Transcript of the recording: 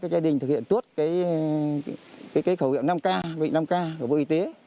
nhờ các gia đình thực hiện tốt cái khẩu hiệu năm k bệnh năm k của bộ y tế